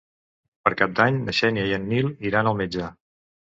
Per Cap d'Any na Xènia i en Nil iran al metge.